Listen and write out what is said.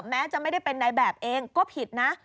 แม้จะไม่ได้เป็นนายแบบเองก็ผิดนะ